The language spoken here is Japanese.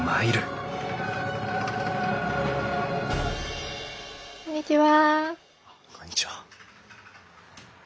あっこんにちは。